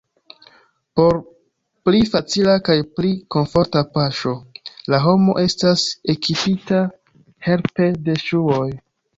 Por pli facila kaj pli komforta paŝo la homo estas ekipita helpe de ŝuoj.